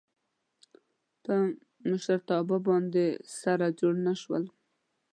په مشرتابه باندې سره جوړ نه شول.